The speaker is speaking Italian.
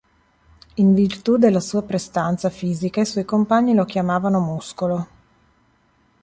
In virtù della sua prestanza fisica i suoi compagni lo chiamavano "muscolo".